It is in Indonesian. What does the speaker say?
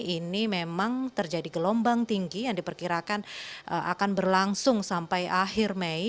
ini memang terjadi gelombang tinggi yang diperkirakan akan berlangsung sampai akhir mei